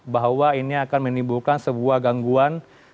bahwa ini akan menimbulkan sebuah gangguan suara